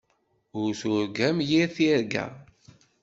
Ur turgam yir tirga.